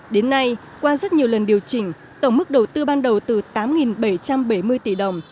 đến nay qua rất nhiều lần điều chỉnh tổng mức đầu tư ban đầu từ tám bảy trăm bảy mươi tỷ đồng